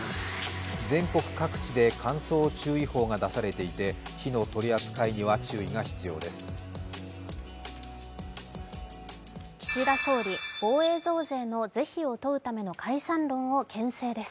全国各地で乾燥注意報が出されていて、火の取り扱いには注意が必要です。